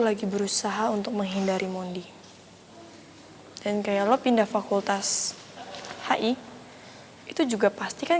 lagi berusaha untuk menghindari mondi dan kayak lo pindah fakultas hi itu juga pastikan